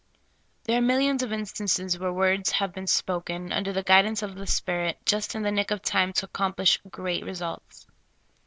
There are millions of instances where words have been spoken, under the guidance of the Spirit, just in the nick of time to accomplish great results.